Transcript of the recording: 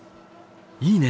いいね！